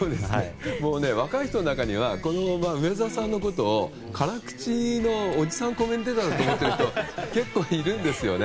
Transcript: もう若い人の中には梅沢さんのことを辛口のおじさんコメンテーターだと思っている人が結構いるんですよね。